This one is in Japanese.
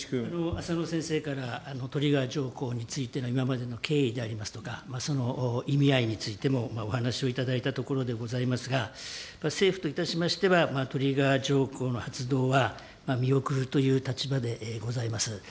浅野先生から、トリガー条項についての今までの経緯でありますとか、その意味合いについてもお話をいただいたところでございますが、政府といたしましては、トリガー条項の発動は見送るという立場でございます。